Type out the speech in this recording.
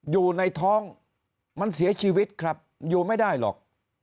อยู่ในท้องมันเสียชีวิตครับอยู่ไม่ได้หรอก